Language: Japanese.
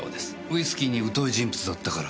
ウイスキーに疎い人物だったからですよね？